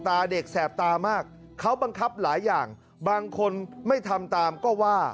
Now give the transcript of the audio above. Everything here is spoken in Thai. เด็กแสบตามากเขาบังคับหลายอย่างบางคนไม่ทำตามก็ว่า